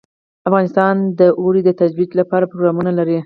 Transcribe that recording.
افغانستان د اوړي د ترویج لپاره پروګرامونه لري.